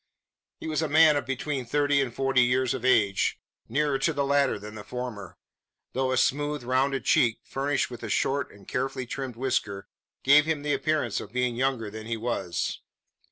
He was a man of between thirty and forty years of age, nearer to the latter than the former; though a smooth, rounded cheek furnished with a short and carefully trimmed whisker gave him the appearance of being younger than he was.